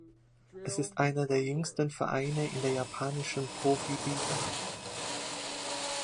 Es ist einer der jüngsten Vereine in der japanischen Profiliga.